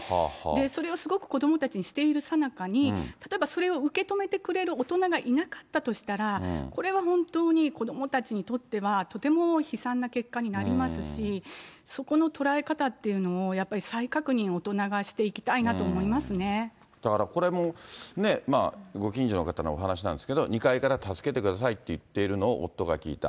それをすごく子どもたちにしているさなかに、例えばそれを受け止めてくれる大人がいなかったとしたら、これは本当に子どもたちにとっては、とても悲惨な結果になりますし、そこの捉え方っていうのを、やっぱり再確認、大人がしていきたいだからこれもね、ご近所の方のお話なんですけれども、２階から助けてくださいって言っているのを夫が聞いた。